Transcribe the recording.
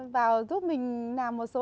vào giúp mình làm một số